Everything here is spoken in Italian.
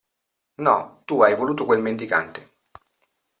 No, tu hai voluto quel mendicante.